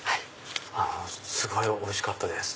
すごいおいしかったです！